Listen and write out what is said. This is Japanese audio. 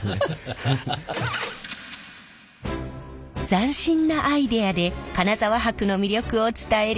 斬新なアイデアで金沢箔の魅力を伝えるこちらの工場。